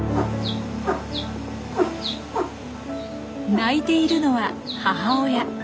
鳴いているのは母親。